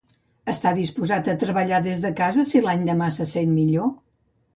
Està disposat a treballar des de casa si l'endemà se sent millor?